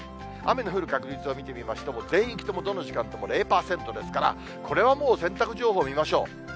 雨の降る確率を見てみましても、全域ともどの時間とも０％ですから、これはもう、洗濯情報を見ましょう。